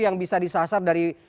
yang bisa disasar dari